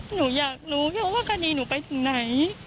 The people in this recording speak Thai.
หนูอยากรู้ว่าการีหนูไปถึงไหน